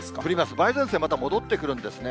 梅雨前線、また戻ってくるんですね。